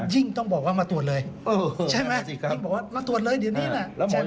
ยิ่งต้องบอกว่ามาตรวจเลยใช่ไหมครับยิ่งบอกว่ามาตรวจเลยเดี๋ยวนี้น่ะใช่ไหมครับ